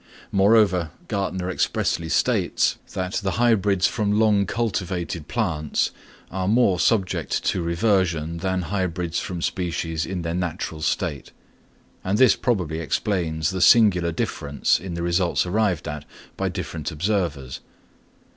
Moreover, Gärtner expressly states that the hybrids from long cultivated plants are more subject to reversion than hybrids from species in their natural state; and this probably explains the singular difference in the results arrived at by different observers.